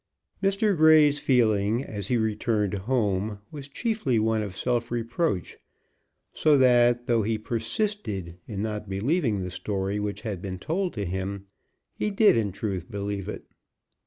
Mr. Grey's feeling, as he returned home, was chiefly one of self reproach; so that, though he persisted in not believing the story which had been told to him, he did, in truth, believe it.